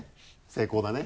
成功だね。